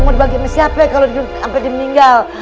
mau dibagi sama siapa kalau sampai dia meninggal